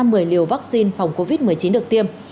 hơn một mươi liều vaccine phòng covid một mươi chín được tiêm